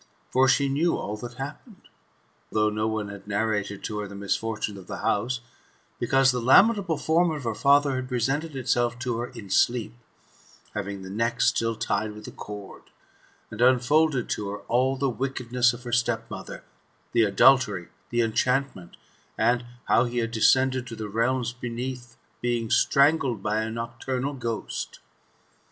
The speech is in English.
For she knew all that happened, though no one had narrated to her the misfortune of the bouse ; because the lamentable form of her father had presented itself to her in sleep, having the neck still tied with a cord, and unfolded to her all the wickedness of her stepmother, the adultery, the enchantment, and how he had descended to the realms beneath, being strangled by a nocturnal ghost.